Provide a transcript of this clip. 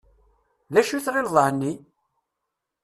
D acu i tɣileḍ εni?